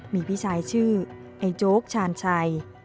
มีพี่ชายชื่อไอ้โจ๊กชาญชัย